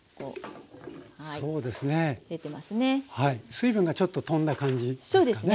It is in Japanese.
水分がちょっととんだ感じですかね。